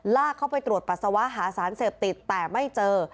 ลากเข้าไปตรวจปัสสาวะหาสารเสพติดแต่ไม่เจอ